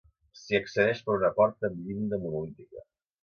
S'hi accedeix per una porta amb llinda monolítica.